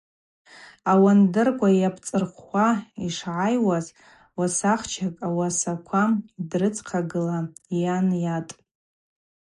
Ауандырква йапцӏырхвхва йшгӏайуаз уасахчакӏ йуасаква дрыдзхъагыла йгӏайынйатӏ.